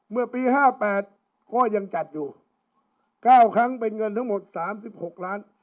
เมื่อปีห้าแปดก็ยังจัดอยู่เก้าครั้งเป็นเงินทั้งหมดสามสิบหกล้าน